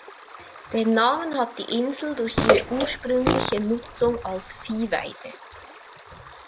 Den Namen hat die Insel durch ihre ursprüngliche Nutzung als Viehweide.